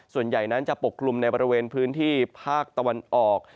ส่วนใหญ่นั้นจะปกกลุ่มในบริเวณพื้นที่ภาคตะวันออก